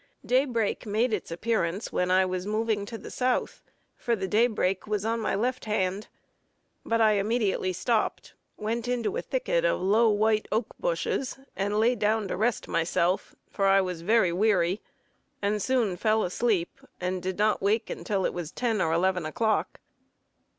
Daylight made its appearance, when I was moving to the South, for the daybreak was on my left hand; but I immediately stopped, went into a thicket of low white oak bushes, and lay down to rest myself, for I was very weary, and soon fell asleep, and did not awake until it was ten or eleven o'clock.